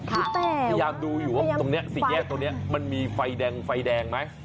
คือพยายามดูอยู่ว่าตรงนี้สี่แยกตรงนี้มันมีไฟแดงไฟแดงไหม